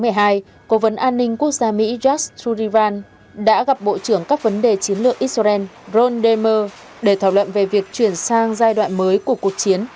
năm hai nghìn một mươi hai cố vấn an ninh quốc gia mỹ josh turivan đã gặp bộ trưởng các vấn đề chiến lược israel ron demer để thảo luận về việc chuyển sang giai đoạn mới của cuộc chiến